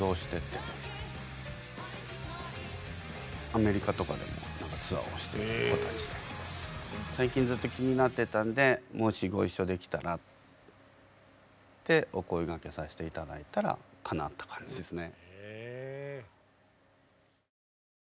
アメリカとかでもツアーをしている子たちで最近ずっと気になってたんでもしご一緒できたらってお声がけさせて頂いたらかなった感じですね。